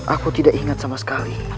aku tidak ingat sama sekali